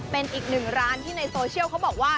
เป็นอีกหนึ่งร้านที่ในโซเชียลเขาบอกว่า